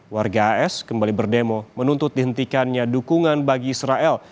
warga as kembali berdemo menuntut dihentikannya dukungan bagi israel